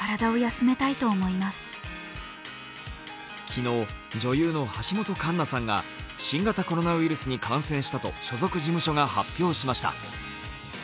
昨日、女優の橋本環奈さんが新型コロナウイルスに感染したと所属事務所が発表しました。